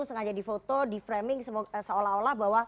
sengaja di foto di framing seolah olah bahwa